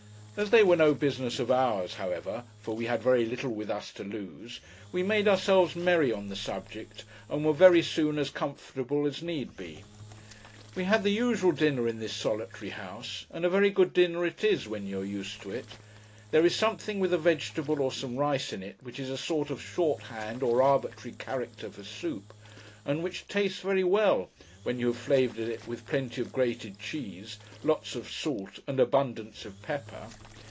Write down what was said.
As they were no business of ours, however (for we had very little with us to lose), we made ourselves merry on the subject, and were very soon as comfortable as need be. We had the usual dinner in this solitary house; and a very good dinner it is, when you are used to it. There is something with a vegetable or some rice in it which is a sort of shorthand or arbitrary character for soup, and which tastes very well, when you have flavoured it with plenty of grated cheese, lots of salt, and abundance of pepper.